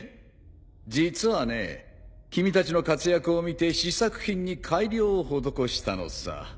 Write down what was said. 実はね君たちの活躍を見て試作品に改良を施したのさ。